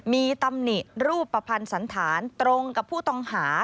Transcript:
มีตำหนิรูปประพันธุ์สันถานตรงกับผู้ต้องหา